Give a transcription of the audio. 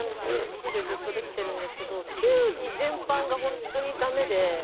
好きでずっとできてるんですけど球技全般が本当にだめで。